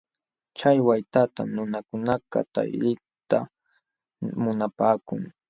Chay waytatam nunakunakaq taliyta munapaakun.